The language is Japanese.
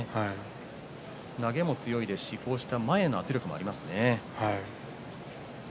投げも強いし前への圧力がありますね。